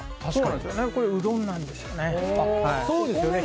これはうどんなんですよ。